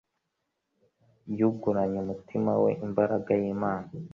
Yuguranye umutima we imbaraga y'Imana,